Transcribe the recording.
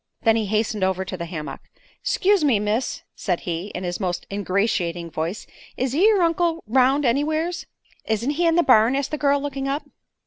Then he hastened over to the hammock. "'Scuse me, miss," said he, in his most ingratiating voice. "Is yer uncle 'round anywheres?" "Isn't he in the barn?" asked the girl, looking up.